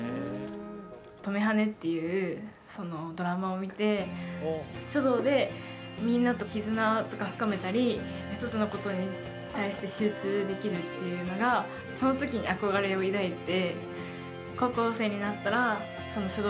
「とめはねっ！」っていうドラマを見て書道でみんなと絆とか深めたり１つのことに対して集中できるっていうのがそのときに憧れを抱いて。